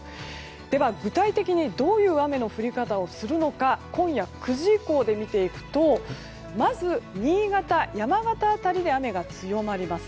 では、具体的にはどういう雨の降り方をするのか今夜９時以降で見ていくとまず、新潟、山形辺りで雨が強まります。